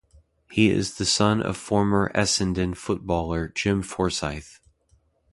He is the son of former Essendon footballer Jim Forsyth.